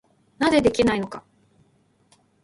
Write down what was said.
なぜできないのか。